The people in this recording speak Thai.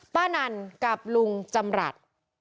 นันกับลุงจำรัฐ